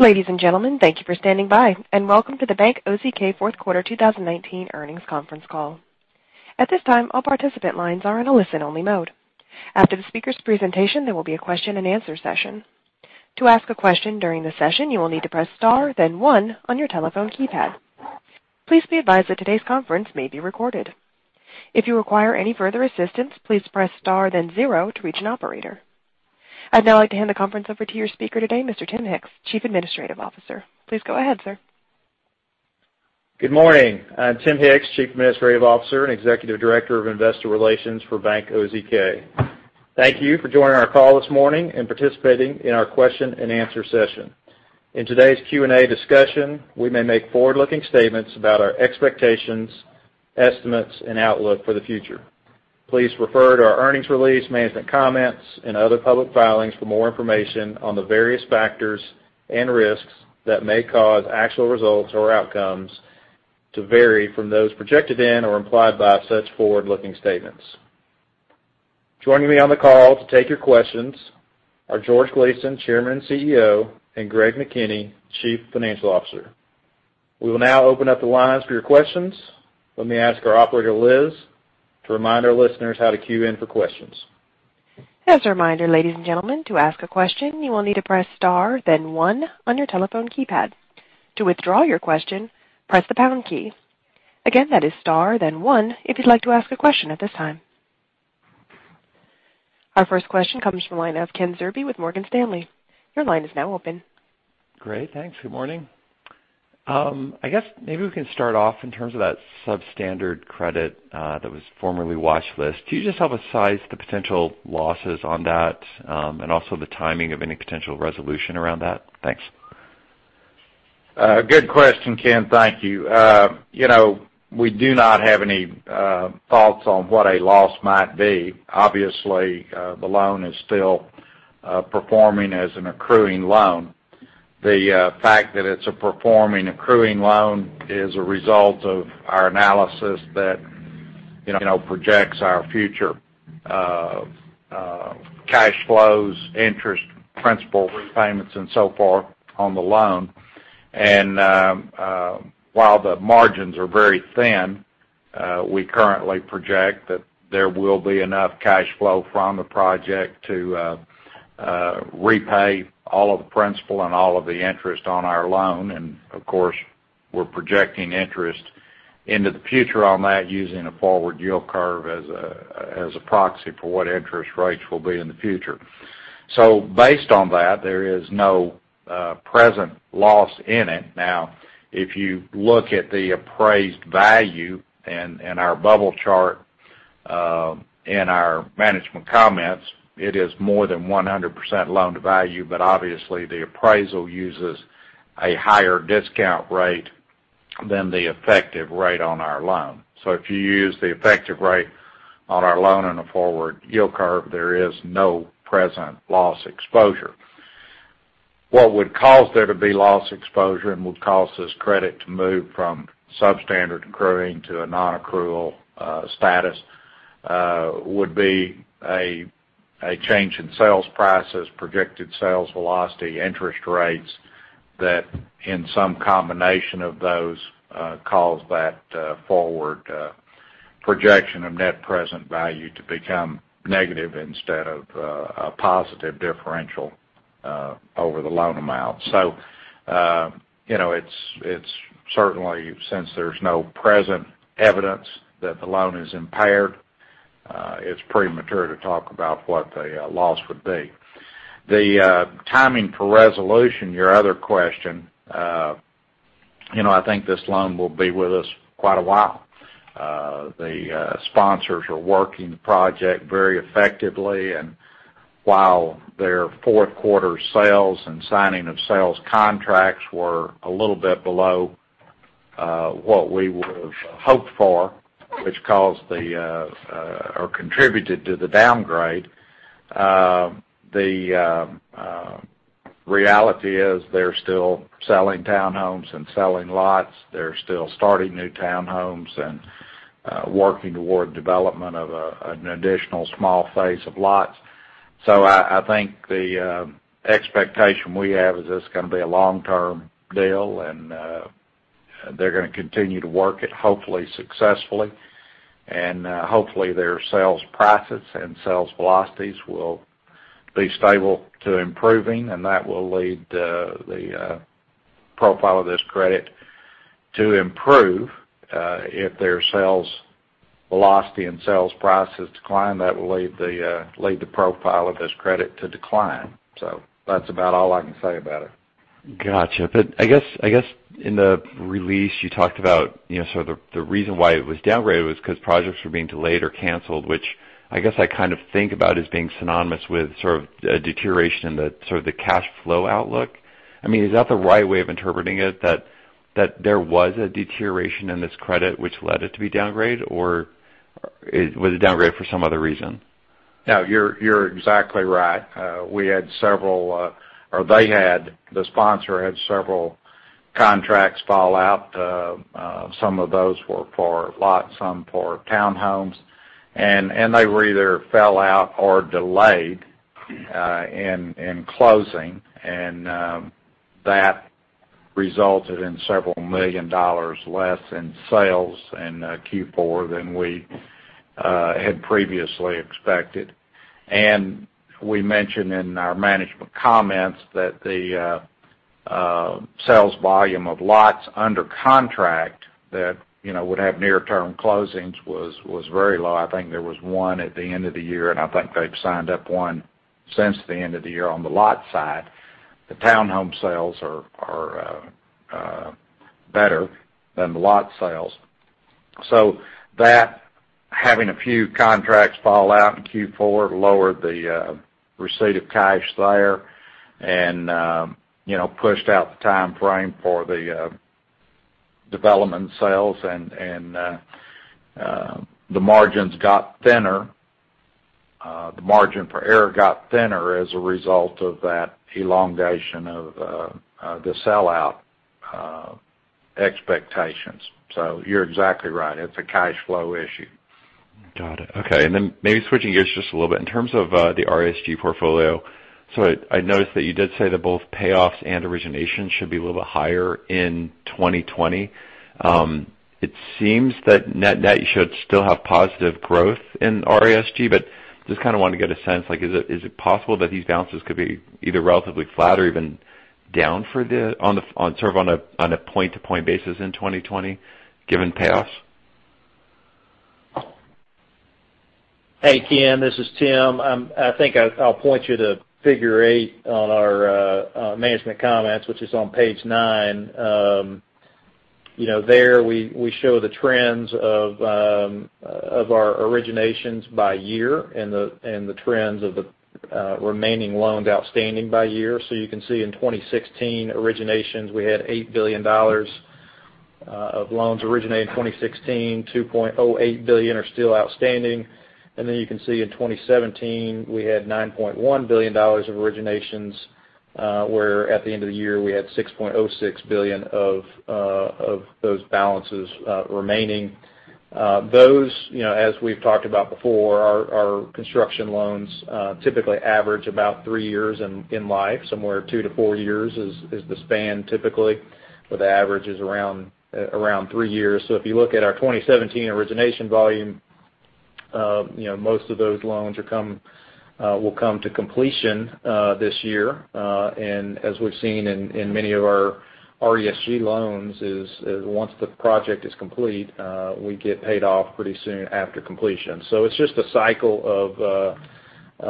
Ladies and gentlemen, thank you for standing by, welcome to the Bank OZK Fourth Quarter 2019 earnings conference call. At this time, all participant lines are in a listen-only mode. After the speaker's presentation, there will be a question and answer session. To ask a question during the session, you will need to press star then one on your telephone keypad. Please be advised that today's conference may be recorded. If you require any further assistance, please press star then zero to reach an operator. I'd now like to hand the conference over to your speaker today, Mr. Tim Hicks, Chief Administrative Officer. Please go ahead, sir. Good morning. I'm Tim Hicks, Chief Administrative Officer and Executive Director of Investor Relations for Bank OZK. Thank you for joining our call this morning and participating in our question and answer session. In today's Q&A discussion, we may make forward-looking statements about our expectations, estimates, and outlook for the future. Please refer to our earnings release, management comments, and other public filings for more information on the various factors and risks that may cause actual results or outcomes to vary from those projected in or implied by such forward-looking statements. Joining me on the call to take your questions are George Gleason, Chairman and CEO, and Greg McKinney, Chief Financial Officer. We will now open up the lines for your questions. Let me ask our Operator, Liz, to remind our listeners how to queue in for questions. As a reminder, ladies and gentlemen, to ask a question, you will need to press star then one on your telephone keypad. To withdraw your question, press the pound key. Again, that is star then one if you'd like to ask a question at this time. Our first question comes from the line of Kenneth Zerbe with Morgan Stanley. Your line is now open. Great. Thanks. Good morning. I guess maybe we can start off in terms of that substandard credit that was formerly watchlist. Can you just help us size the potential losses on that, and also the timing of any potential resolution around that? Thanks. Good question, Ken. Thank you. We do not have any thoughts on what a loss might be. Obviously, the loan is still performing as an accruing loan. The fact that it's a performing accruing loan is a result of our analysis that projects our future cash flows, interest, principal repayments and so forth on the loan. While the margins are very thin, we currently project that there will be enough cash flow from the project to repay all of the principal and all of the interest on our loan. Of course, we're projecting interest into the future on that using a forward yield curve as a proxy for what interest rates will be in the future. Based on that, there is no present loss in it. If you look at the appraised value in our bubble chart, in our management comments, it is more than 100% loan-to-value, but obviously the appraisal uses a higher discount rate than the effective rate on our loan. If you use the effective rate on our loan in a forward yield curve, there is no present loss exposure. What would cause there to be loss exposure and would cause this credit to move from substandard accruing to a non-accrual status would be a change in sales prices, projected sales velocity, interest rates, that in some combination of those, cause that forward projection of net present value to become negative instead of a positive differential over the loan amount. It's certainly, since there's no present evidence that the loan is impaired, it's premature to talk about what the loss would be. The timing for resolution, your other question, I think this loan will be with us for quite a while. The sponsors are working the project very effectively, and while their fourth quarter sales and signing of sales contracts were a little bit below what we would have hoped for, which caused the, or contributed to the downgrade, the reality is they're still selling townhomes and selling lots. They're still starting new townhomes and working toward development of an additional small phase of lots. I think the expectation we have is this is going to be a long-term deal, and they're going to continue to work it, hopefully successfully. Hopefully their sales prices and sales velocities will be stable to improving, and that will lead the profile of this credit to improve. If their sales velocity and sales prices decline, that will lead the profile of this credit to decline. That's about all I can say about it. Got you. I guess in the release you talked about sort of the reason why it was downgraded was because projects were being delayed or canceled, which I guess I kind of think about as being synonymous with sort of a deterioration in sort of the cash flow outlook. Is that the right way of interpreting it, that there was a deterioration in this credit which led it to be downgraded, or was it downgraded for some other reason? No, you're exactly right. The sponsor had several. Contracts fall out. Some of those were for lots, some for townhomes, and they were either fell out or delayed in closing, and that resulted in several million dollars less in sales in Q4 than we had previously expected. We mentioned in our management comments that the sales volume of lots under contract that would have near-term closings was very low. I think there was one at the end of the year, and I think they've signed up one since the end of the year on the lot side. The townhome sales are better than the lot sales. That, having a few contracts fall out in Q4, lowered the receipt of cash there and pushed out the timeframe for the development sales, and the margins got thinner. The margin for error got thinner as a result of that elongation of the sell-out expectations. You're exactly right. It's a cash flow issue. Got it. Okay, maybe switching gears just a little bit, in terms of the RESG portfolio, I noticed that you did say that both payoffs and originations should be a little bit higher in 2020. It seems that net should still have positive growth in RESG, just kind of wanted to get a sense, is it possible that these balances could be either relatively flat or even down sort of on a point-to-point basis in 2020, given payoffs? Hey, Ken. This is Tim. I think I'll point you to Figure eight on our management comments, which is on page nine. There, we show the trends of our originations by year and the trends of the remaining loans outstanding by year. You can see in 2016 originations, we had $8 billion of loans originated. In 2016, $2.08 billion are still outstanding. You can see in 2017, we had $9.1 billion of originations, where at the end of the year, we had $6.06 billion of those balances remaining. Those, as we've talked about before, our construction loans typically average about three years in life. Somewhere two to four years is the span, typically, but the average is around three years. If you look at our 2017 origination volume, most of those loans will come to completion this year. As we've seen in many of our RESG loans is, once the project is complete, we get paid off pretty soon after completion. It's just a cycle of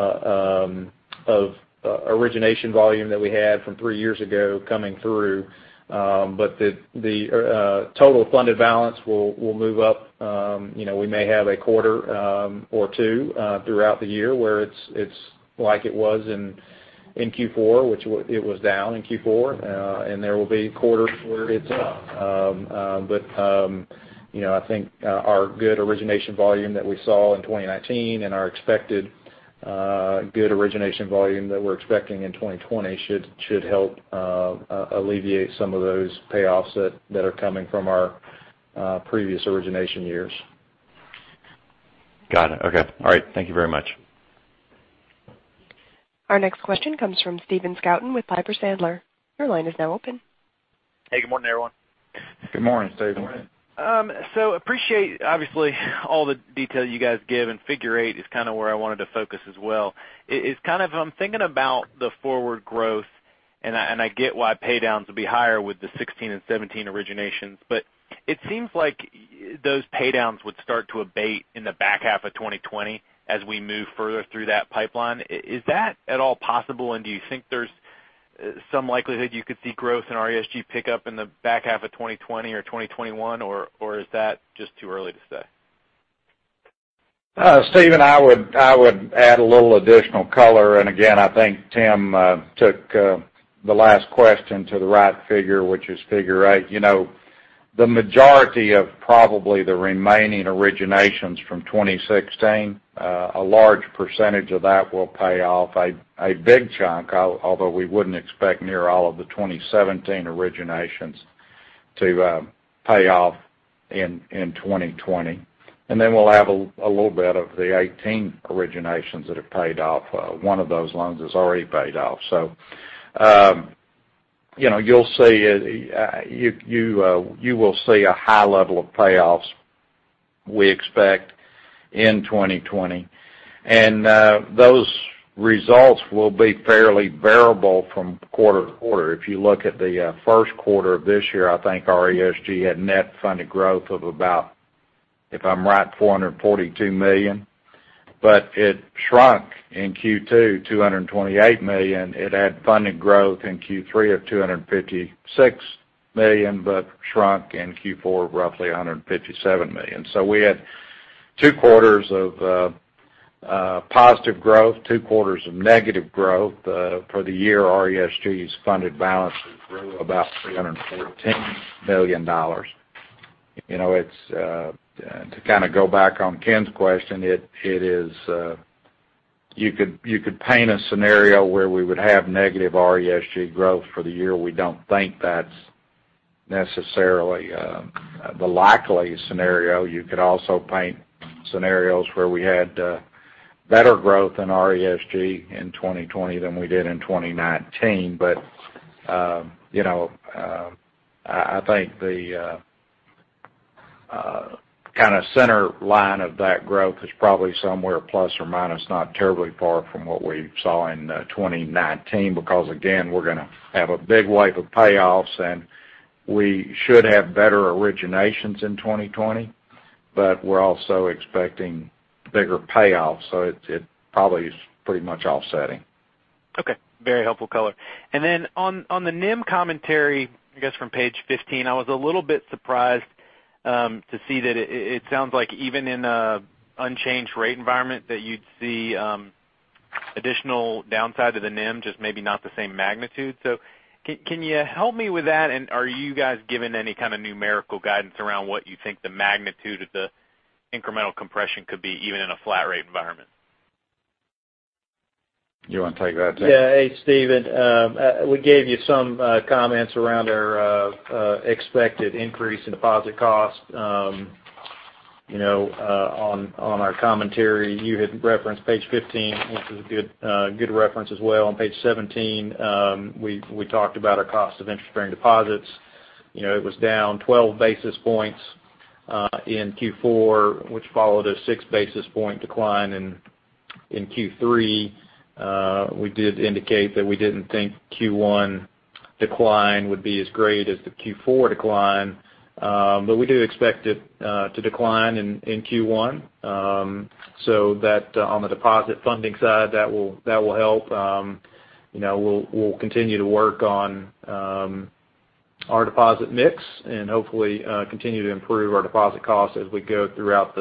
origination volume that we had from three years ago coming through. The total funded balance will move up. We may have a quarter or two throughout the year where it's like it was in Q4, which it was down in Q4, and there will be quarters where it's up. I think our good origination volume that we saw in 2019 and our expected good origination volume that we're expecting in 2020 should help alleviate some of those payoffs that are coming from our previous origination years. Got it. Okay. All right. Thank you very much. Our next question comes from Stephen Scouten with Piper Sandler. Your line is now open. Hey, good morning, everyone. Good morning, Stephen. Appreciate, obviously, all the detail you guys give, and Figure eight is kind of where I wanted to focus as well. I'm thinking about the forward growth, and I get why pay-downs will be higher with the 2016 and 2017 originations, but it seems like those pay-downs would start to abate in the back half of 2020 as we move further through that pipeline. Is that at all possible, and do you think there's some likelihood you could see growth in RESG pick up in the back half of 2020 or 2021, or is that just too early to say? Stephen, I would add a little additional color. I think Tim took the last question to the right figure, which is Figure 8. The majority of probably the remaining originations from 2016, a large percentage of that will pay off, a big chunk, although we wouldn't expect near all of the 2017 originations to pay off in 2020. We'll have a little bit of the 2018 originations that have paid off. One of those loans is already paid off. You will see a high level of payoffs, we expect, in 2020. Those results will be fairly variable from quarter to quarter. If you look at the first quarter of this year, I think RESG had net funded growth of about, if I'm right, $442 million. It shrunk in Q2, $228 million. It had funded growth in Q3 of $256 million, but shrunk in Q4 roughly $157 million. We had two quarters of positive growth, two quarters of negative growth. For the year, RESG's funded balance grew about $314 million. To kind of go back on Ken's question, it is. You could paint a scenario where we would have negative RESG growth for the year. We don't think that's necessarily the likely scenario. You could also paint scenarios where we had better growth in RESG in 2020 than we did in 2019. But I think the center line of that growth is probably somewhere plus or minus, not terribly far from what we saw in 2019. Because, again, we're going to have a big wave of payoffs, and we should have better originations in 2020. We're also expecting bigger payoffs, so it probably is pretty much offsetting. Okay. Very helpful color. Then on the NIM commentary, I guess from page 15, I was a little bit surprised to see that it sounds like even in an unchanged rate environment, that you'd see additional downside to the NIM, just maybe not the same magnitude. Can you help me with that? Are you guys giving any kind of numerical guidance around what you think the magnitude of the incremental compression could be, even in a flat rate environment? You want to take that, Tim? Yeah. Hey, Stephen. We gave you some comments around our expected increase in deposit cost on our commentary. You had referenced page 15, which is a good reference as well. On page 17, we talked about our cost of interest-bearing deposits. It was down 12 basis points in Q4, which followed a six basis point decline in Q3. We did indicate that we didn't think Q1 decline would be as great as the Q4 decline. We do expect it to decline in Q1. On the deposit funding side, that will help. We'll continue to work on our deposit mix and hopefully continue to improve our deposit cost as we go throughout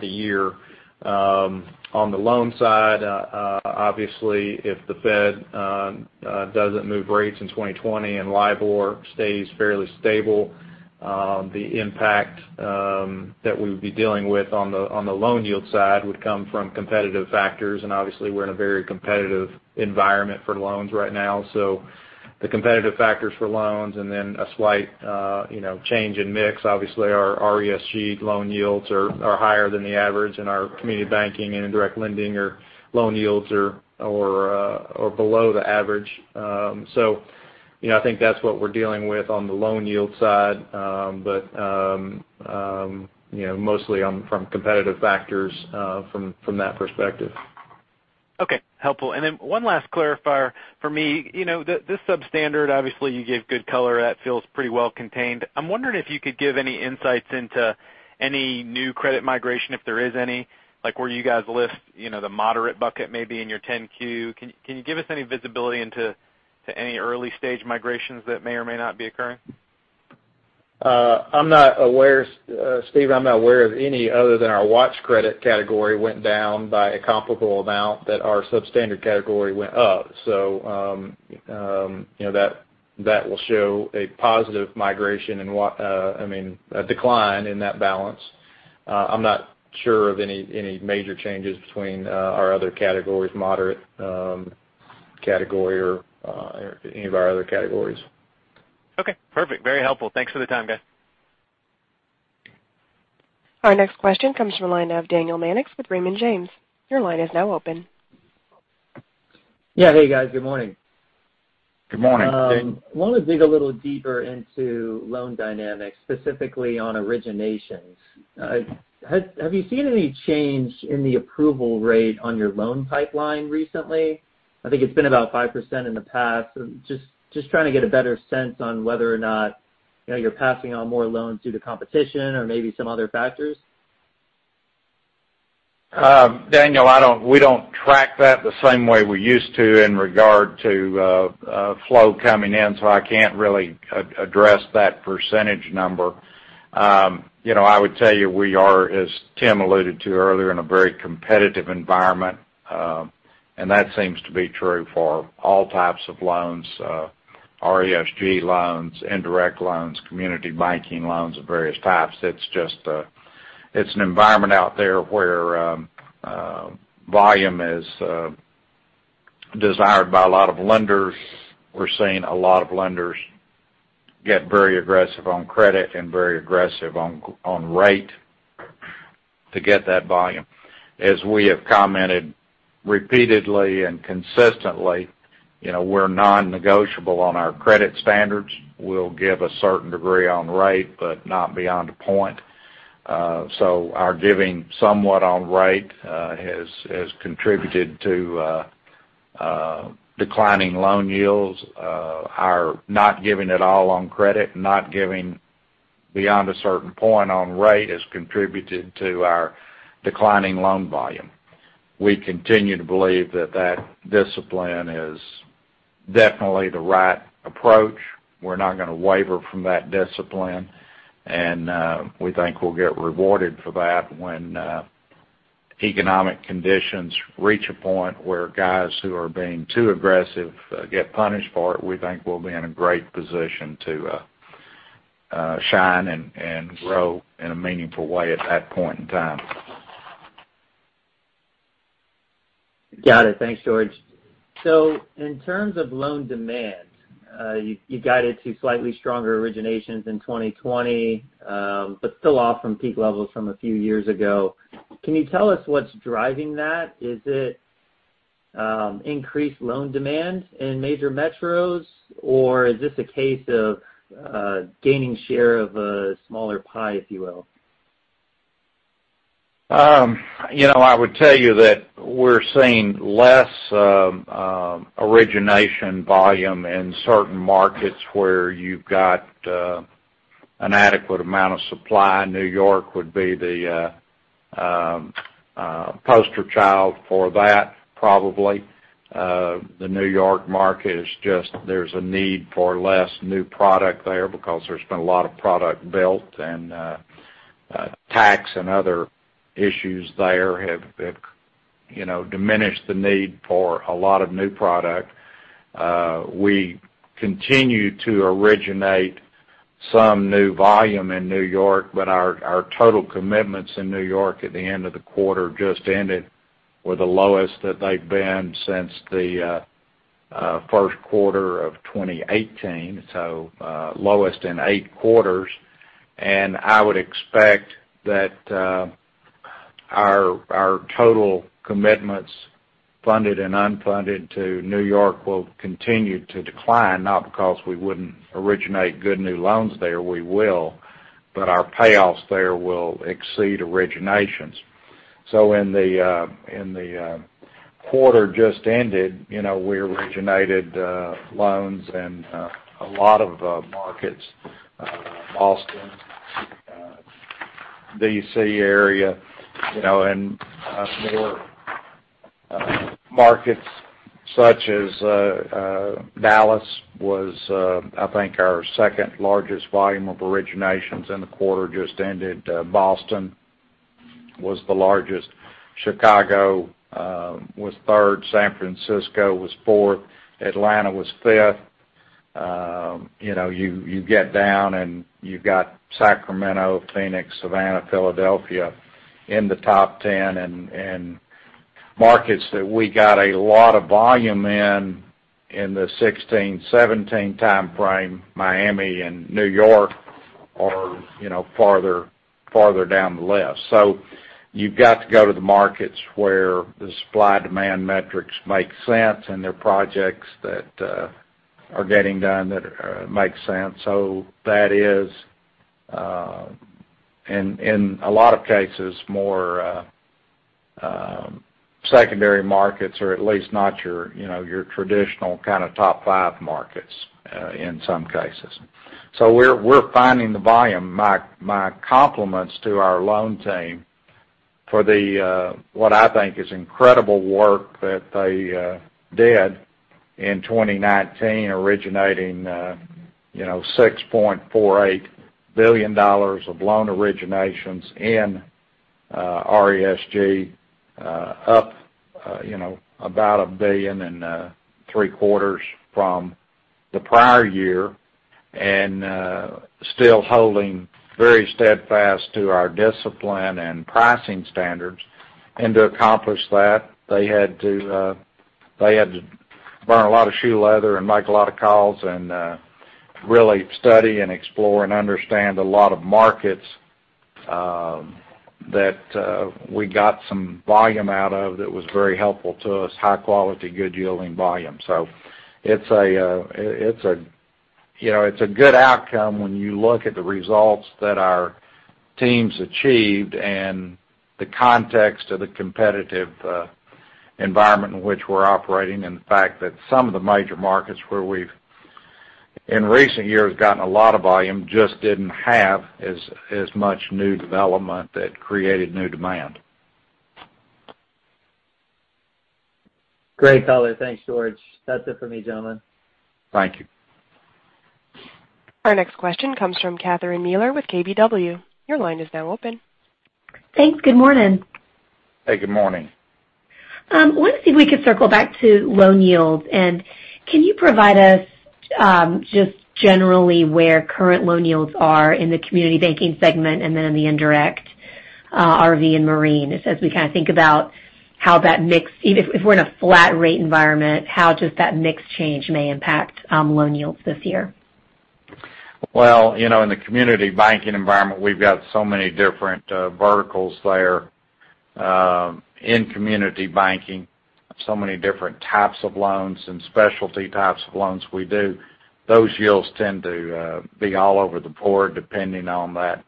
the year. On the loan side, obviously, if the Fed doesn't move rates in 2020 and LIBOR stays fairly stable, the impact that we would be dealing with on the loan yield side would come from competitive factors. Obviously, we're in a very competitive environment for loans right now. The competitive factors for loans and then a slight change in mix. Obviously, our RESG loan yields are higher than the average and our community banking and indirect lending loan yields are below the average. I think that's what we're dealing with on the loan yield side. Mostly from competitive factors from that perspective. Okay. Helpful. One last clarifier for me. This substandard, obviously, you gave good color. That feels pretty well contained. I'm wondering if you could give any insights into any new credit migration, if there is any. Like where you guys list the moderate bucket, maybe in your 10-Q. Can you give us any visibility into any early-stage migrations that may or may not be occurring? Stephen, I'm not aware of any other than our watch credit category went down by a comparable amount that our substandard category went up. That will show a positive migration, a decline in that balance. I'm not sure of any major changes between our other categories, moderate category, or any of our other categories. Okay, perfect. Very helpful. Thanks for the time, guys. Our next question comes from the line of Daniel Mannix with Raymond James. Your line is now open. Yeah. Hey, guys. Good morning. Good morning, Dan. Wanted to dig a little deeper into loan dynamics, specifically on originations. Have you seen any change in the approval rate on your loan pipeline recently? I think it's been about 5% in the past. Just trying to get a better sense on whether or not you're passing on more loans due to competition or maybe some other factors. Daniel, we don't track that the same way we used to in regard to flow coming in, so I can't really address that percentage number. I would tell you, we are, as Tim alluded to earlier, in a very competitive environment. That seems to be true for all types of loans, RESG loans, indirect loans, community banking loans of various types. It's an environment out there where volume is desired by a lot of lenders. We're seeing a lot of lenders get very aggressive on credit and very aggressive on rate to get that volume. As we have commented repeatedly and consistently, we're non-negotiable on our credit standards. We'll give a certain degree on rate, but not beyond a point. Our giving somewhat on rate has contributed to declining loan yields. Our not giving at all on credit, not giving beyond a certain point on rate has contributed to our declining loan volume. We continue to believe that that discipline is definitely the right approach. We're not going to waver from that discipline, and we think we'll get rewarded for that when economic conditions reach a point where guys who are being too aggressive get punished for it. We think we'll be in a great position to shine and grow in a meaningful way at that point in time. Got it. Thanks, George. In terms of loan demand, you guided to slightly stronger originations in 2020, but still off from peak levels from a few years ago. Can you tell us what's driving that? Is it increased loan demand in major metros, or is this a case of gaining share of a smaller pie, if you will? I would tell you that we're seeing less origination volume in certain markets where you've got an adequate amount of supply. New York would be the poster child for that, probably. The New York market, there's a need for less new product there because there's been a lot of product built, and tax and other issues there have diminished the need for a lot of new product. We continue to originate some new volume in New York, but our total commitments in New York at the end of the quarter just ended were the lowest that they've been since the first quarter of 2018, so lowest in eight quarters. I would expect that our total commitments, funded and unfunded to New York, will continue to decline, not because we wouldn't originate good new loans there, we will, but our payoffs there will exceed originations. In the quarter just ended, we originated loans in a lot of markets, Boston, D.C. area, and more markets such as Dallas was, I think, our second-largest volume of originations in the quarter just ended. Boston was the largest. Chicago was third. San Francisco was fourth. Atlanta was fifth. You get down and you've got Sacramento, Phoenix, Savannah, Philadelphia in the top 10. Markets that we got a lot of volume in the 2016, 2017 timeframe, Miami and New York, are farther down the list. You've got to go to the markets where the supply-demand metrics make sense and the projects that are getting done that make sense. That is, in a lot of cases, more secondary markets or at least not your traditional kind of top five markets in some cases. We're finding the volume. My compliments to our loan team for what I think is incredible work that they did in 2019, originating $6.48 billion of loan originations in RESG, up about a billion and three quarters from the prior year, and still holding very steadfast to our discipline and pricing standards. To accomplish that, they had to burn a lot of shoe leather and make a lot of calls and really study and explore and understand a lot of markets that we got some volume out of that was very helpful to us, high quality, good yielding volume. It's a good outcome when you look at the results that our teams achieved and the context of the competitive environment in which we're operating, and the fact that some of the major markets where we've, in recent years, gotten a lot of volume, just didn't have as much new development that created new demand. Great color. Thanks, George. That's it for me, gentlemen. Thank you. Our next question comes from Catherine Mealor with KBW. Your line is now open. Thanks. Good morning. Hey, good morning. I wanted to see if we could circle back to loan yields. Can you provide us just generally where current loan yields are in the community banking segment, and then in the indirect RV and marine, as we kind of think about how that mix, even if we're in a flat rate environment, how just that mix change may impact loan yields this year? In the community banking environment, we've got so many different verticals there in community banking, so many different types of loans and specialty types of loans we do. Those yields tend to be all over the board, depending on that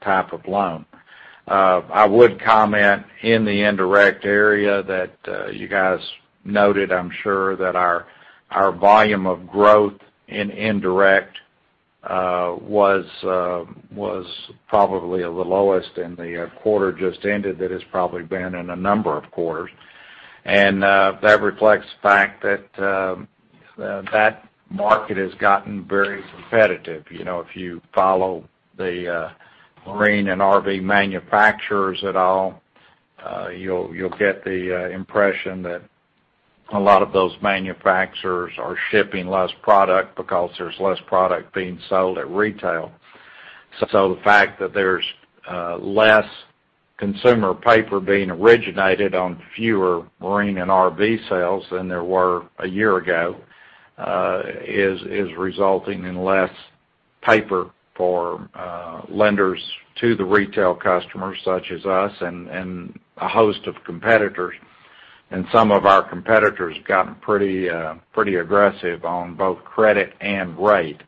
type of loan. I would comment in the indirect area that you guys noted, I'm sure, that our volume of growth in indirect was probably the lowest in the quarter just ended. That has probably been in a number of quarters. That reflects the fact that that market has gotten very competitive. If you follow the marine and RV manufacturers at all, you'll get the impression that a lot of those manufacturers are shipping less product because there's less product being sold at retail. The fact that there's less consumer paper being originated on fewer marine and RV sales than there were a year ago, is resulting in less paper for lenders to the retail customers such as us and a host of competitors. Some of our competitors have gotten pretty aggressive on both credit and rate.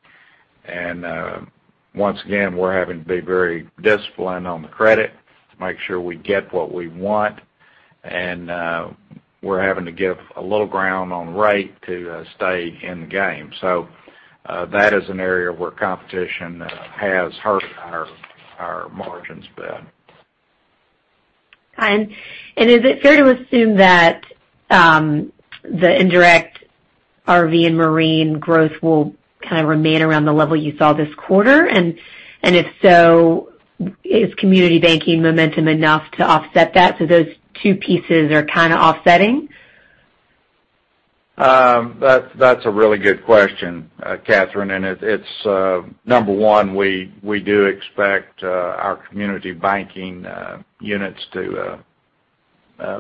Once again, we're having to be very disciplined on the credit to make sure we get what we want. We're having to give a little ground on rate to stay in the game. That is an area where competition has hurt our margins a bit. Is it fair to assume that the indirect RV and marine growth will kind of remain around the level you saw this quarter? If so, is community banking momentum enough to offset that, so those two pieces are kind of offsetting? That's a really good question, Catherine. Number one, we do expect our community banking units to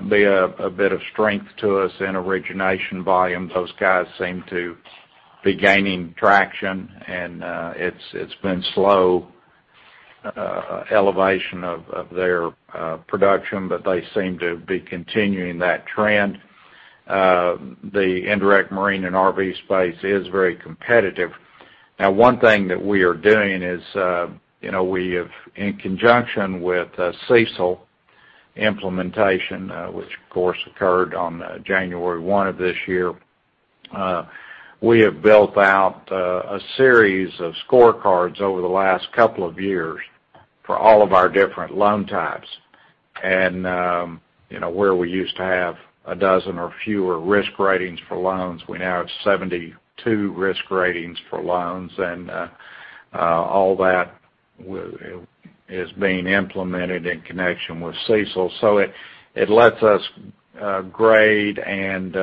be a bit of strength to us in origination volume. Those guys seem to be gaining traction, and it's been slow elevation of their production, but they seem to be continuing that trend. The indirect marine and RV space is very competitive. Now, one thing that we are doing is, in conjunction with CECL implementation, which, of course, occurred on January 1 of this year, we have built out a series of scorecards over the last couple of years for all of our different loan types. Where we used to have a dozen or fewer risk ratings for loans, we now have 72 risk ratings for loans. All that is being implemented in connection with CECL. It lets us grade and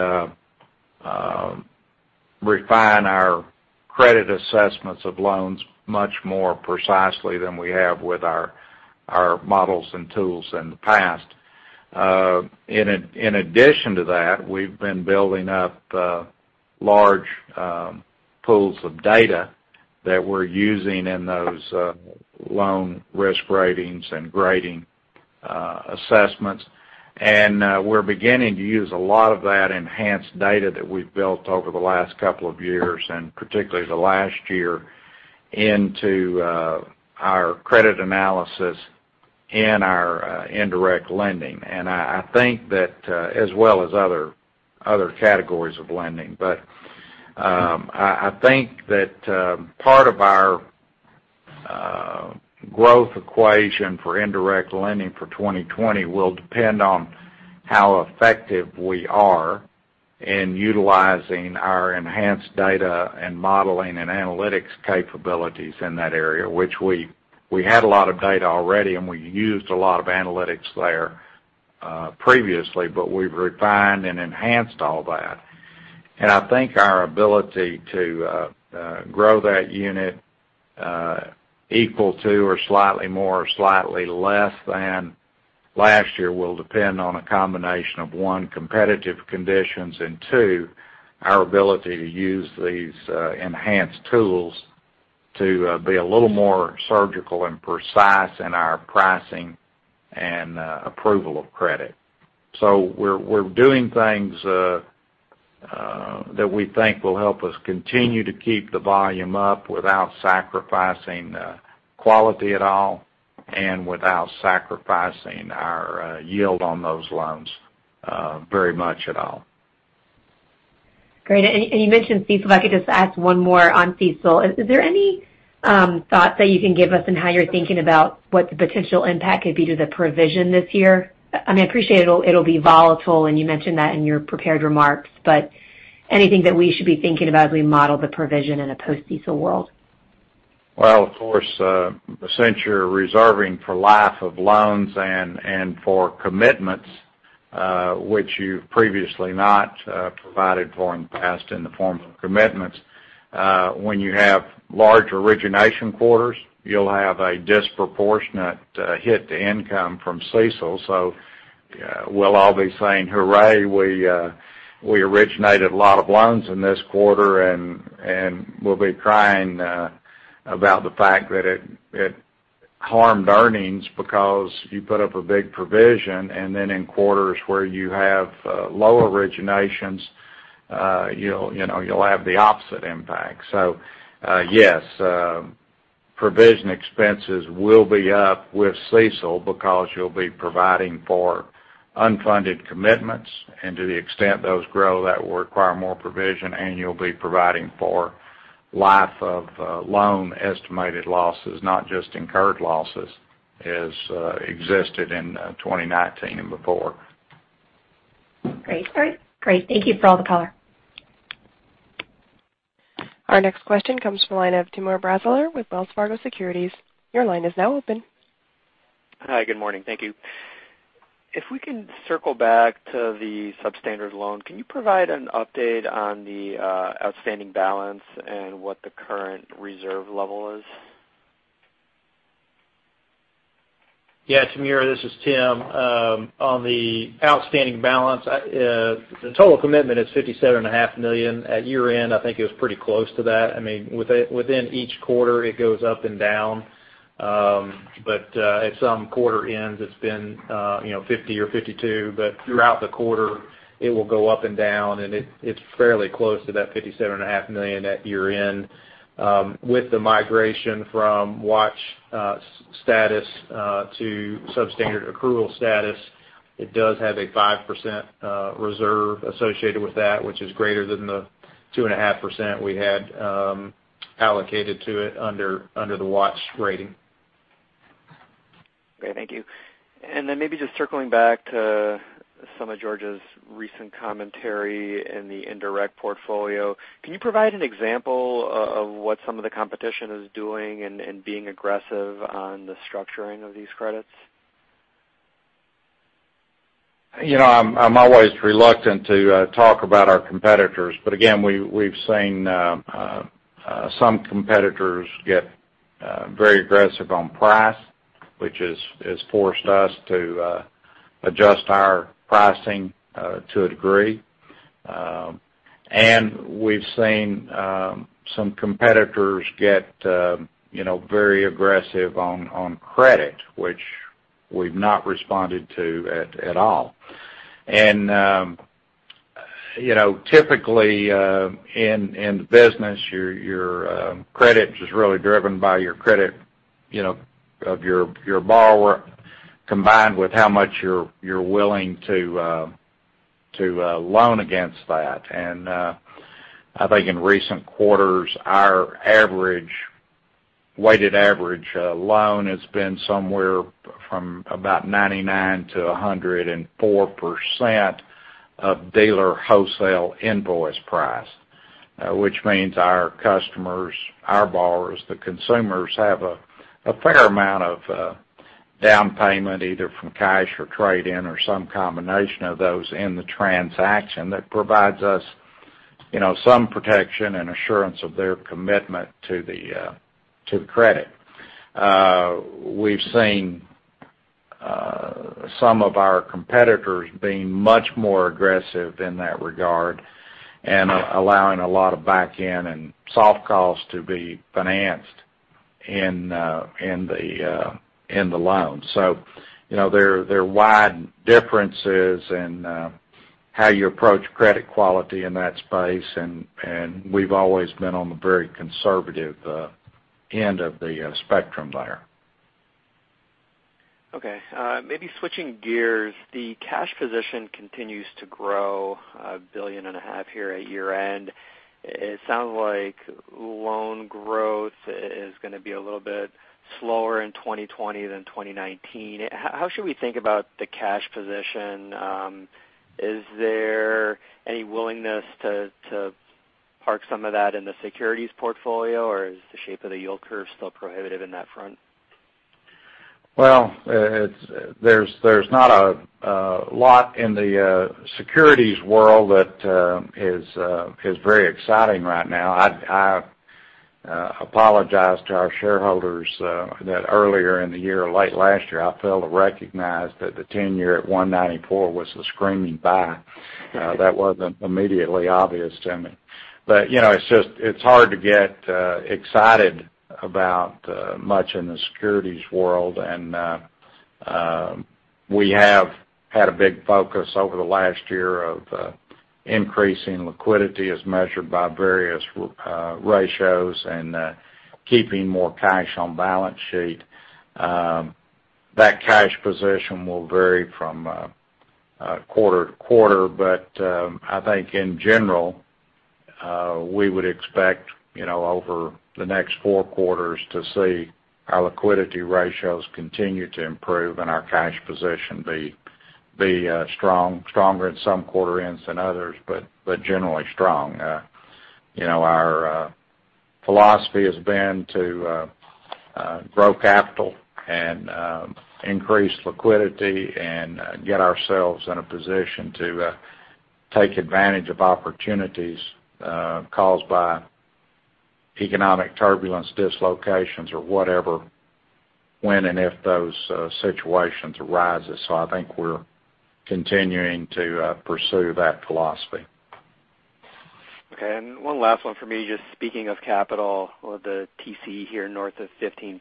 refine our credit assessments of loans much more precisely than we have with our models and tools in the past. In addition to that, we've been building up large pools of data that we're using in those loan risk ratings and grading assessments. We're beginning to use a lot of that enhanced data that we've built over the last couple of years, and particularly the last year, into our credit analysis in our indirect lending, as well as other categories of lending. I think that part of our growth equation for indirect lending for 2020 will depend on how effective we are in utilizing our enhanced data and modeling and analytics capabilities in that area, which we had a lot of data already, and we used a lot of analytics there previously, but we've refined and enhanced all that. I think our ability to grow that unit equal to or slightly more or slightly less than last year will depend on a combination of, one, competitive conditions and two, our ability to use these enhanced tools to be a little more surgical and precise in our pricing and approval of credit. We're doing things that we think will help us continue to keep the volume up without sacrificing quality at all and without sacrificing our yield on those loans very much at all. Great. You mentioned CECL. If I could just ask one more on CECL. Is there any thoughts that you can give us on how you're thinking about what the potential impact could be to the provision this year? I mean, I appreciate it'll be volatile, you mentioned that in your prepared remarks, anything that we should be thinking about as we model the provision in a post-CECL world? Well, of course, since you're reserving for life of loans and for commitments, which you've previously not provided for in the past in the form of commitments, when you have large origination quarters, you'll have a disproportionate hit to income from CECL. We'll all be saying, hooray, we originated a lot of loans in this quarter, and we'll be crying about the fact that it harmed earnings because you put up a big provision, and then in quarters where you have low originations, you'll have the opposite impact. Yes, provision expenses will be up with CECL because you'll be providing for unfunded commitments, and to the extent those grow, that will require more provision, and you'll be providing for life of loan estimated losses, not just incurred losses as existed in 2019 and before. Great. Thank you for all the color. Our next question comes from the line of Timur Braziler with Wells Fargo Securities. Your line is now open. Hi. Good morning. Thank you. If we can circle back to the substandard loan, can you provide an update on the outstanding balance and what the current reserve level is? Timur, this is Tim. On the outstanding balance, the total commitment is $57.5 million. At year-end, I think it was pretty close to that. Within each quarter, it goes up and down. At some quarter ends, it's been $50 or $52, but throughout the quarter, it will go up and down, and it's fairly close to that $57.5 million at year-end. With the migration from watch status to substandard accrual status, it does have a 5% reserve associated with that, which is greater than the 2.5% we had allocated to it under the watch rating. Great. Thank you. Maybe just circling back to some of George's recent commentary in the indirect portfolio, can you provide an example of what some of the competition is doing in being aggressive on the structuring of these credits? I'm always reluctant to talk about our competitors, but again, we've seen some competitors get very aggressive on price, which has forced us to adjust our pricing to a degree. We've seen some competitors get very aggressive on credit, which we've not responded to at all. Typically, in the business, your credit is really driven by your credit of your borrower, combined with how much you're willing to loan against that. I think in recent quarters, our weighted average loan has been somewhere from about 99% to 104% of dealer wholesale invoice price, which means our customers, our borrowers, the consumers, have a fair amount of down payment, either from cash or trade-in, or some combination of those in the transaction that provides us some protection and assurance of their commitment to the credit. We've seen some of our competitors being much more aggressive in that regard and allowing a lot of back end and soft costs to be financed in the loan. There are wide differences in how you approach credit quality in that space, and we've always been on the very conservative end of the spectrum there. Okay. Maybe switching gears, the cash position continues to grow a billion and a half here at year-end. It sounds like loan growth is going to be a little bit slower in 2020 than 2019. How should we think about the cash position? Is there any willingness to park some of that in the securities portfolio, or is the shape of the yield curve still prohibitive in that front? Well, there's not a lot in the securities world that is very exciting right now. I apologize to our shareholders, that earlier in the year or late last year, I failed to recognize that the 10-year at 194 was a screaming buy. That wasn't immediately obvious to me. It's hard to get excited about much in the securities world, and we have had a big focus over the last year of increasing liquidity as measured by various ratios and keeping more cash on balance sheet. That cash position will vary from quarter to quarter, but I think in general, we would expect over the next four quarters to see our liquidity ratios continue to improve and our cash position be stronger at some quarter ends than others, but generally strong. Our philosophy has been to grow capital and increase liquidity and get ourselves in a position to take advantage of opportunities caused by economic turbulence, dislocations or whatever, when and if those situations arises. I think we're continuing to pursue that philosophy. Okay. One last one for me, just speaking of capital or the TC here, north of 15%,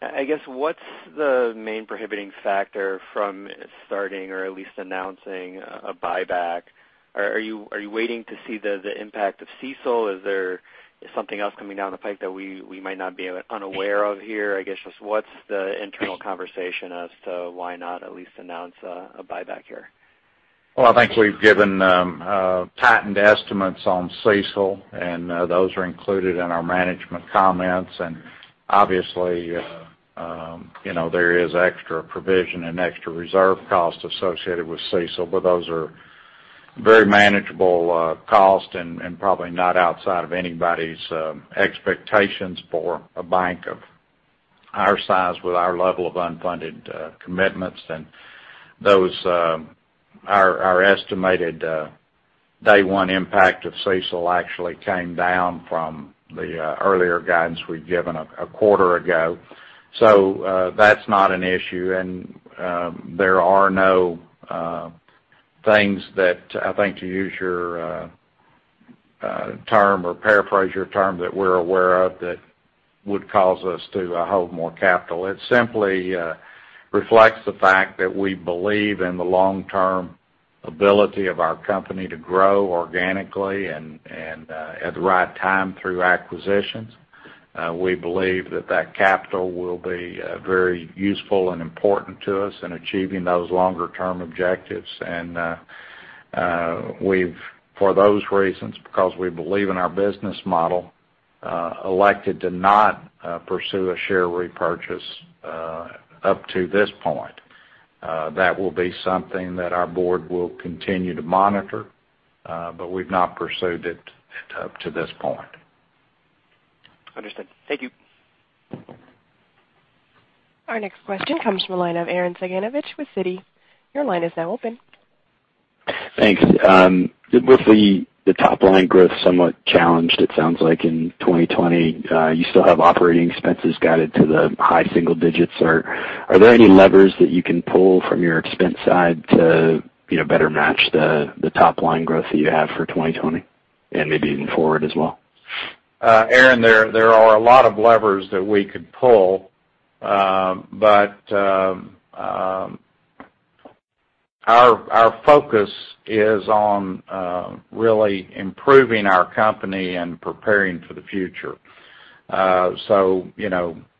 I guess, what's the main prohibiting factor from starting or at least announcing a buyback? Are you waiting to see the impact of CECL? Is there something else coming down the pipe that we might not be unaware of here? I guess, just what's the internal conversation as to why not at least announce a buyback here? Well, I think we've given tightened estimates on CECL, and those are included in our management comments. Obviously, there is extra provision and extra reserve cost associated with CECL, but those are very manageable cost and probably not outside of anybody's expectations for a bank of our size with our level of unfunded commitments. Our estimated day one impact of CECL actually came down from the earlier guidance we'd given a quarter ago. That's not an issue, and there are no things that, I think to use your term or paraphrase your term, that we're aware of that would cause us to hold more capital. It simply reflects the fact that we believe in the long-term ability of our company to grow organically and at the right time, through acquisitions. We believe that that capital will be very useful and important to us in achieving those longer-term objectives. We've, for those reasons, because we believe in our business model, elected to not pursue a share repurchase up to this point. That will be something that our board will continue to monitor, but we've not pursued it up to this point. Understood. Thank you. Our next question comes from the line of Arren Cyganovich with Citi. Your line is now open. Thanks. With the top line growth somewhat challenged, it sounds like in 2020, you still have operating expenses guided to the high single digits. Are there any levers that you can pull from your expense side to better match the top line growth that you have for 2020, and maybe even forward as well? Arren, there are a lot of levers that we could pull. Our focus is on really improving our company and preparing for the future.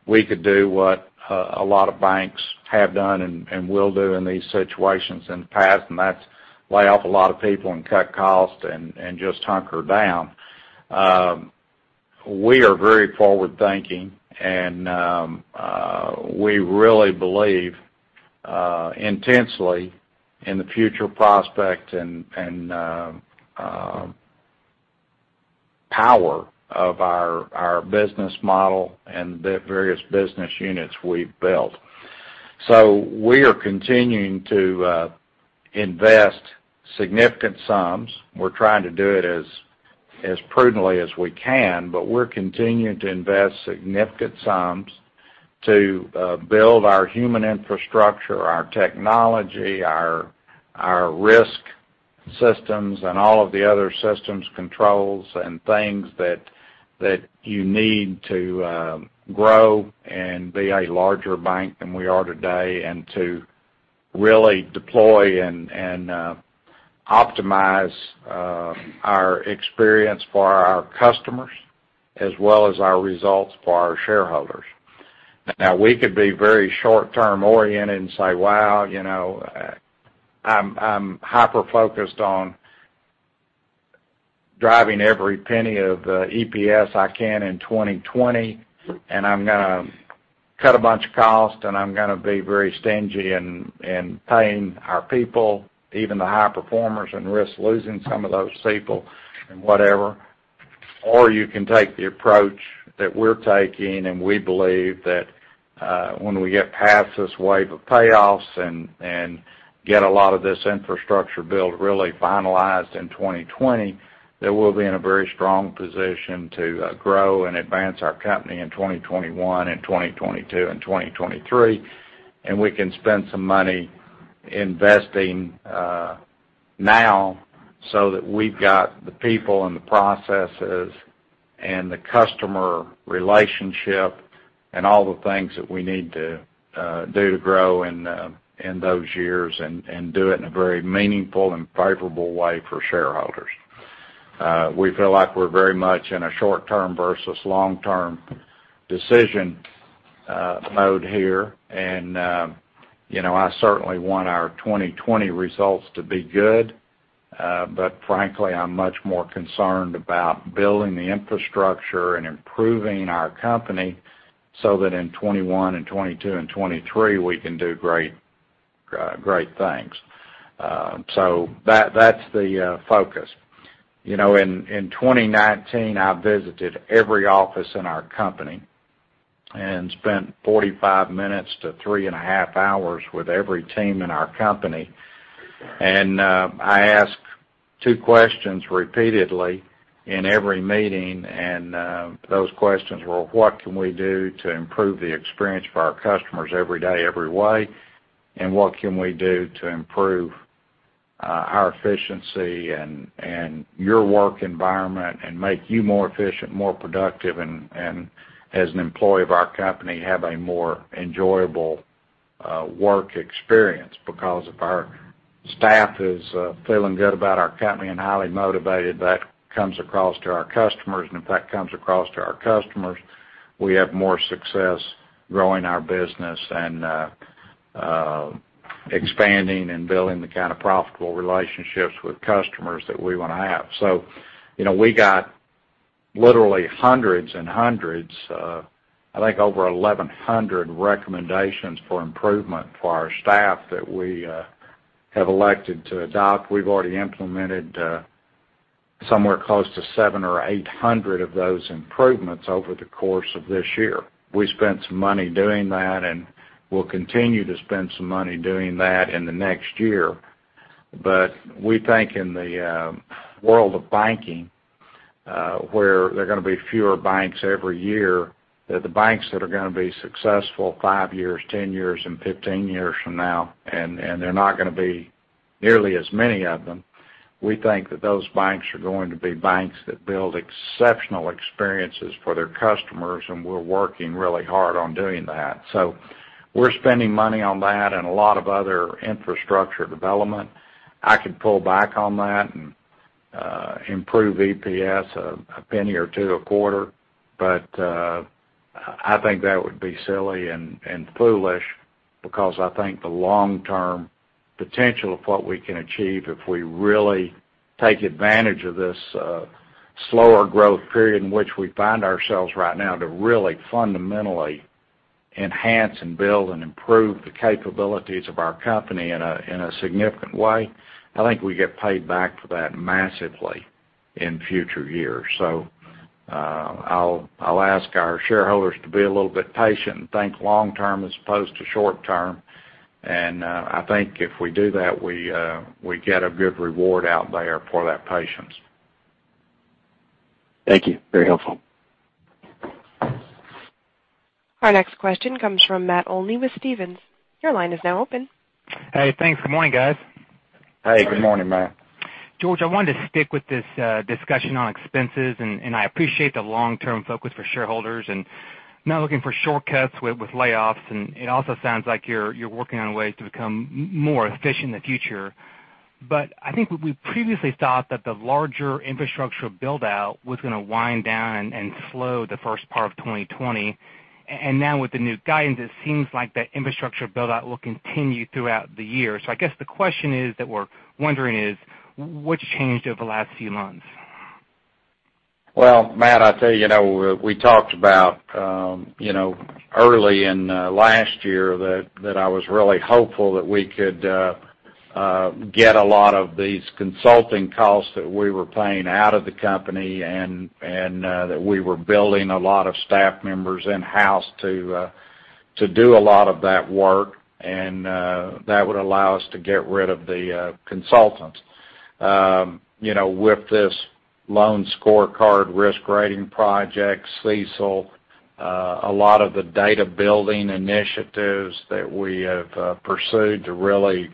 We could do what a lot of banks have done and will do in these situations in the past, and that's lay off a lot of people and cut costs and just hunker down. We are very forward-thinking, and we really believe intensely in the future prospect and power of our business model and the various business units we've built. We are continuing to invest significant sums. We're trying to do it as prudently as we can, but we're continuing to invest significant sums to build our human infrastructure, our technology, our risk systems, and all of the other systems controls and things that you need to grow and be a larger bank than we are today and to really deploy and optimize our experience for our customers as well as our results for our shareholders. Now, we could be very short-term oriented and say, wow, I'm hyper-focused on driving every $0.01 of EPS I can in 2020, and I'm going to cut a bunch of costs and I'm going to be very stingy in paying our people, even the high performers, and risk losing some of those people and whatever. You can take the approach that we're taking, and we believe that when we get past this wave of payoffs and get a lot of this infrastructure build really finalized in 2020, that we'll be in a very strong position to grow and advance our company in 2021 and 2022 and 2023. We can spend some money investing now so that we've got the people and the processes and the customer relationship and all the things that we need to do to grow in those years and do it in a very meaningful and favorable way for shareholders. We feel like we're very much in a short-term versus long-term decision mode here. I certainly want our 2020 results to be good. Frankly, I'm much more concerned about building the infrastructure and improving our company so that in 2021 and 2022 and 2023, we can do great things. That's the focus. In 2019, I visited every office in our company and spent 45 minutes to three and a half hours with every team in our company. I asked two questions repeatedly in every meeting, and those questions were, what can we do to improve the experience for our customers every day, every way? What can we do to improve our efficiency and your work environment and make you more efficient, more productive, and as an employee of our company, have a more enjoyable work experience? If our staff is feeling good about our company and highly motivated, that comes across to our customers. If that comes across to our customers, we have more success growing our business and expanding and building the kind of profitable relationships with customers that we want to have. We got literally hundreds and hundreds, I think over 1,100 recommendations for improvement for our staff that we have elected to adopt. We've already implemented somewhere close to 700 or 800 of those improvements over the course of this year. We spent some money doing that, and we'll continue to spend some money doing that in the next year. We think in the world of banking, where there are going to be fewer banks every year, that the banks that are going to be successful five years, 10 years, and 15 years from now, and there are not going to be nearly as many of them. We think that those banks are going to be banks that build exceptional experiences for their customers, and we're working really hard on doing that. We're spending money on that and a lot of other infrastructure development. I could pull back on that and improve EPS a penny or two a quarter. I think that would be silly and foolish because I think the long-term potential of what we can achieve if we really take advantage of this slower growth period in which we find ourselves right now to really fundamentally enhance and build and improve the capabilities of our company in a significant way. I think we get paid back for that massively in future years. I'll ask our shareholders to be a little bit patient and think long term as opposed to short term. I think if we do that, we get a good reward out there for that patience. Thank you. Very helpful. Our next question comes from Matt Olney with Stephens. Your line is now open. Hey, thanks. Good morning, guys. Hey, good morning, Matt. George, I wanted to stick with this discussion on expenses. I appreciate the long-term focus for shareholders and not looking for shortcuts with layoffs. It also sounds like you're working on ways to become more efficient in the future. I think what we previously thought that the larger infrastructural build-out was going to wind down and slow the first part of 2020. Now with the new guidance, it seems like that infrastructure build-out will continue throughout the year. I guess the question is that we're wondering is, what's changed over the last few months? Well, Matt, I tell you, we talked about early in last year that I was really hopeful that we could get a lot of these consulting costs that we were paying out of the company and that we were building a lot of staff members in-house to do a lot of that work, and that would allow us to get rid of the consultants. With this loan scorecard risk-grading project, CECL, a lot of the data-building initiatives that we have pursued to really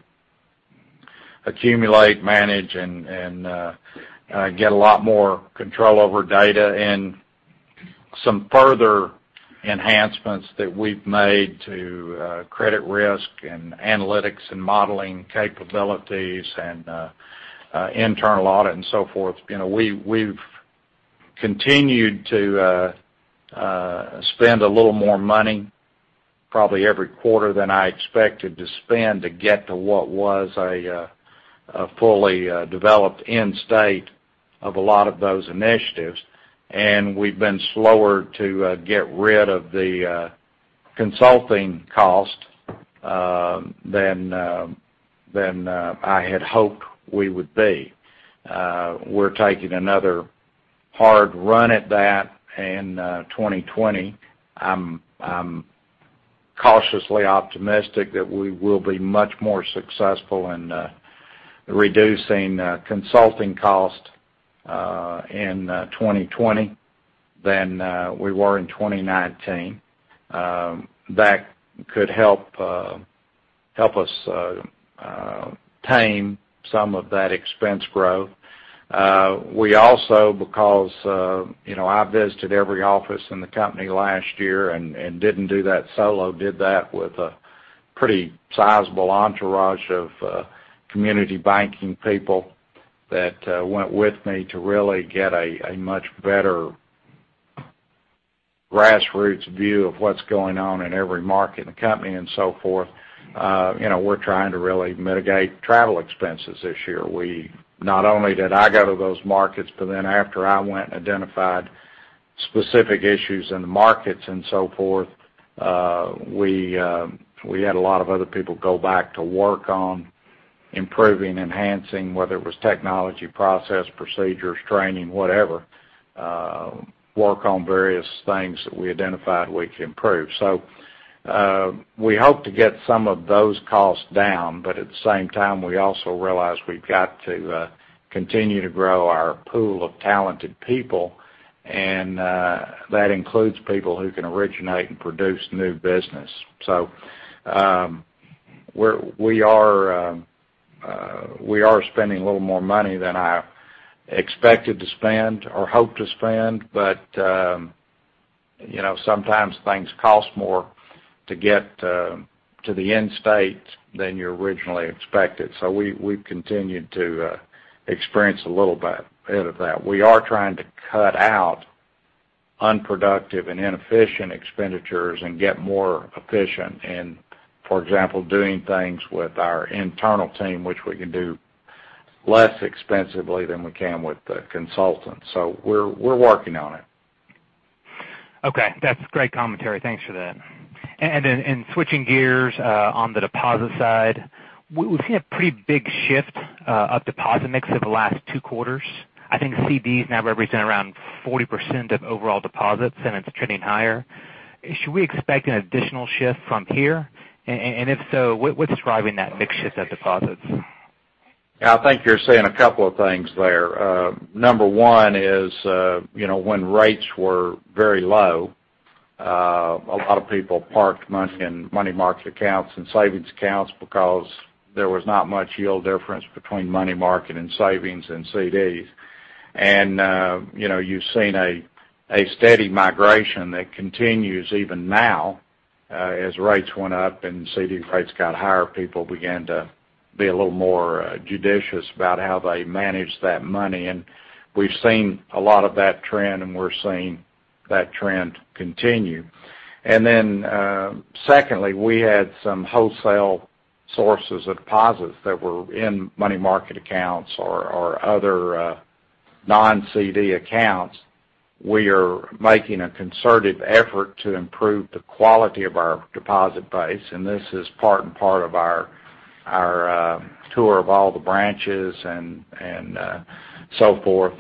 accumulate, manage, and get a lot more control over data and some further enhancements that we've made to credit risk and analytics and modeling capabilities and internal audit and so forth. We've continued to spend a little more money, probably every quarter than I expected to spend to get to what was a fully developed end state of a lot of those initiatives. We've been slower to get rid of the consulting cost than I had hoped we would be. We're taking another hard run at that in 2020. I'm cautiously optimistic that we will be much more successful in reducing consulting cost in 2020 than we were in 2019. That could help us tame some of that expense growth. We also, because I visited every office in the company last year and didn't do that solo, did that with a pretty sizable entourage of community banking people that went with me to really get a much better grassroots view of what's going on in every market in the company and so forth. We're trying to really mitigate travel expenses this year. Not only did I go to those markets, after I went and identified specific issues in the markets and so forth, we had a lot of other people go back to work on improving, enhancing, whether it was technology, process, procedures, training, whatever, work on various things that we identified we could improve. We hope to get some of those costs down, but at the same time, we also realize we've got to continue to grow our pool of talented people, and that includes people who can originate and produce new business. We are spending a little more money than I expected to spend or hoped to spend, but sometimes things cost more to get to the end state than you originally expected. We've continued to experience a little bit of that. We are trying to cut out unproductive and inefficient expenditures and get more efficient in, for example, doing things with our internal team, which we can do less expensively than we can with the consultants. We're working on it. Okay. That's great commentary. Thanks for that. Switching gears, on the deposit side, we've seen a pretty big shift of deposit mix over the last two quarters. I think CDs now represent around 40% of overall deposits, and it's trending higher. Should we expect an additional shift from here? If so, what's driving that mix shift at deposits? Yeah, I think you're seeing a couple of things there. Number 1 is, when rates were very low, a lot of people parked money in money market accounts and savings accounts because there was not much yield difference between money market and savings and CDs. You've seen a steady migration that continues even now. As rates went up and CD rates got higher, people began to be a little more judicious about how they managed that money. We've seen a lot of that trend, and we're seeing that trend continue. Secondly, we had some wholesale sources of deposits that were in money market accounts or other non-CD accounts. We are making a concerted effort to improve the quality of our deposit base, and this is part and part of our tour of all the branches and so forth.